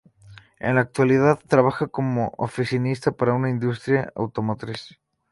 En la actualidad trabaja como oficinista para una industria automotriz.